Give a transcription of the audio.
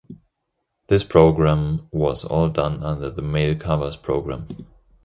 This program was all done under the "mail covers" program.